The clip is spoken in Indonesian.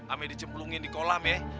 ame dicemplungin di kolam ya